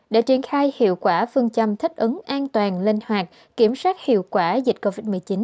đã triển khai hiệu quả phương châm thích ứng an toàn linh hoạt kiểm soát hiệu quả dịch covid một mươi chín